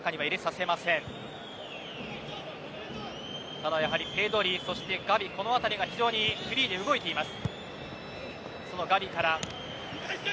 ただ、やはりペドリそしてガヴィこのあたりが非常にフリーで動いています。